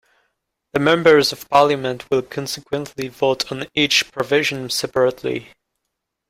The members of parliament will consequently vote on each provision separately.